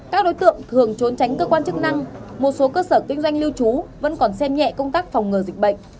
các đối tượng thường trốn tránh cơ quan chức năng một số cơ sở kinh doanh lưu trú vẫn còn xem nhẹ công tác phòng ngừa dịch bệnh